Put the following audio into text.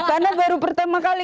karena baru pertama kali